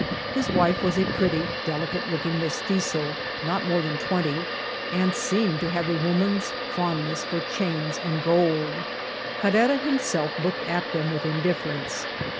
His wife was a pretty, delicate looking Mestitzo, not more than twenty, and seemed to have a woman's fondness for chains and gold. Carrera himself looked at them with indiffer ence.